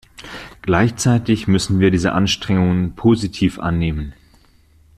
Gleichzeitig müssen wir diese Anstrengungen positiv annehmen.